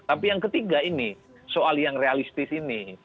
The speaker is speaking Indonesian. tapi yang ketiga ini soal yang realistis ini